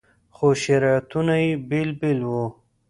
خو شریعتونه یې بېل بېل وو.